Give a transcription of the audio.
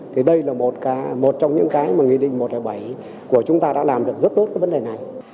thì đây là một trong những cái mà nghị định một trăm linh bảy của chúng ta đã làm được rất tốt cái vấn đề này